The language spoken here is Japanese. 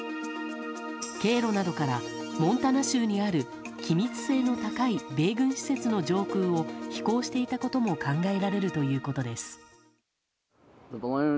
経路などからモンタナ州にある機密性の高い米軍施設の上空を飛行していたことも考えられるということです。